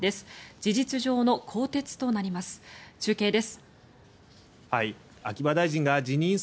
事実上の更迭となります。